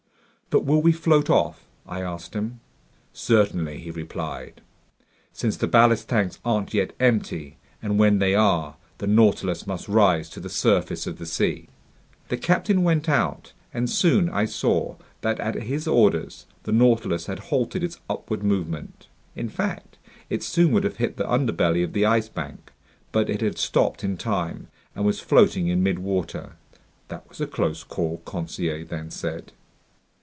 "But will we float off?" I asked him. "Certainly," he replied, "since the ballast tanks aren't yet empty, and when they are, the Nautilus must rise to the surface of the sea." The captain went out, and soon I saw that at his orders, the Nautilus had halted its upward movement. In fact, it soon would have hit the underbelly of the Ice Bank, but it had stopped in time and was floating in midwater. "That was a close call!" Conseil then said.